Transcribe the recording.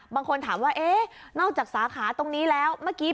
บางคนถามว่านอกจากสาขาตรงนี้แล้ว